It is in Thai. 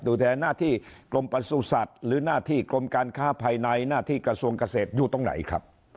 แทนหน้าที่กรมประสุทธิ์หรือหน้าที่กรมการค้าภายในหน้าที่กระทรวงเกษตรอยู่ตรงไหนครับ